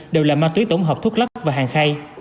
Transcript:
đều là ma túy tổng hợp thuốc lắc và hàng khay